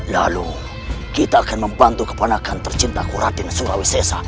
lalu kita akan membantu kepenangan tercinta kuratin surawi sesa